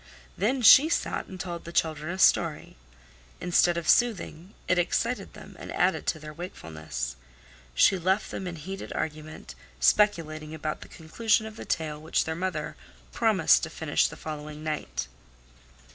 Then she sat and told the children a story. Instead of soothing it excited them, and added to their wakefulness. She left them in heated argument, speculating about the conclusion of the tale which their mother promised to finish the following night.